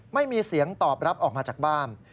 ไม่มีเสียงตอบรับออกมาจากบ้าน